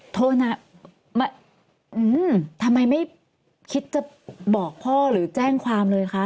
โทษนะทำไมไม่คิดจะบอกพ่อหรือแจ้งความเลยคะ